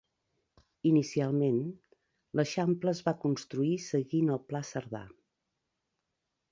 Inicialment, l'Eixample es va construir seguint el Pla Cerdà.